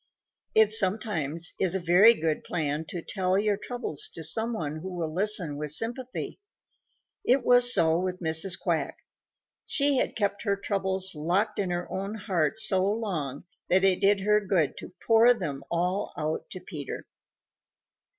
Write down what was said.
It sometimes is a very good plan to tell your troubles to some one who will listen with sympathy. It was so with Mrs. Quack. She had kept her troubles locked in her own heart so long that it did her good to pour them all out to Peter.